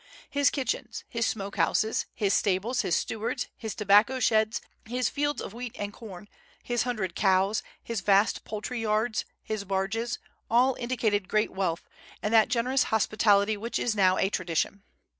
His kitchens, his smoke houses, his stables, his stewards, his tobacco sheds, his fields of wheat and corn, his hundred cows, his vast poultry yards, his barges, all indicated great wealth, and that generous hospitality which is now a tradition.